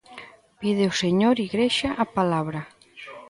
Pide o señor Igrexa a palabra.